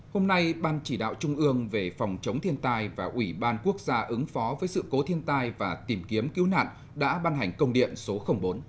hôm nay ban chỉ đạo trung ương về phòng chống thiên tai và ủy ban quốc gia ứng phó với sự cố thiên tai và tìm kiếm cứu nạn đã ban hành công điện số bốn